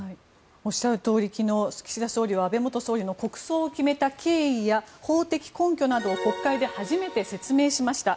おっしゃるとおり昨日、岸田総理は安倍元総理の国葬を決めた経緯や法的根拠などを国会で初めて説明しました。